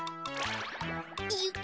よっ！